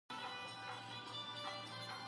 چي د اسلام په سیاسی نظام کی د دولت وظيفي.